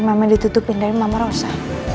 mama ditutupin dari mama rosa